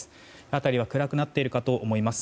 辺りは暗くなっているかと思います。